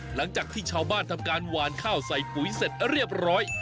หลังจากที่ชาวบ้านทำการหวานข้าวใส่ปุ๋ยเสร็จเรียบร้อย